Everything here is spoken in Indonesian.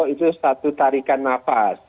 itu satu tarikan nafas